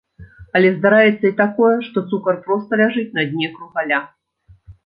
Але здараецца і такое, што цукар проста ляжыць на дне кругаля.